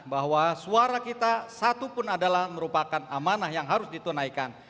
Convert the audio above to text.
bahwa suara kita satu pun adalah merupakan amanah yang harus ditunaikan